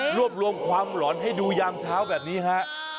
รวบรวมความหลอนให้ดูยามเช้าแบบนี้ฮะ